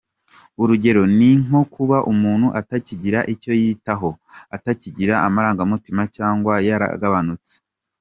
Urugero ni nko kuba umuntu atakigira icyo yitaho, atakigira amarangamutima cyangwa yaragabanutse.